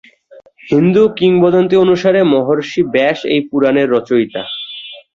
হিন্দু কিংবদন্তি অনুসারে মহর্ষি ব্যাস এই পুরাণের রচয়িতা।